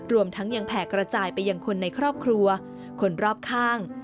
รวมทั้งยังแผ่กระจายไปยังคนในครอบครัวคนรอบข้าง